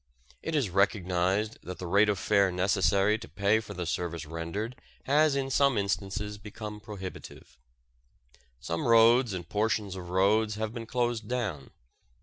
It is recognized that the rate of fare necessary to pay for the service rendered has in some instances become prohibitive. Some roads and portions of roads have been closed down.